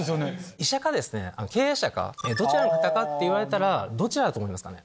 医者か経営者かどちらの方かっていわれたらどちらだと思いますかね。